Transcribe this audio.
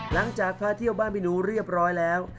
หลังจากพาเที่ยวบ้านพี่หนูเรียบร้อยแล้ว